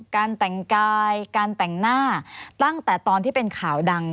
การแต่งกายการแต่งหน้าตั้งแต่ตอนที่เป็นข่าวดัง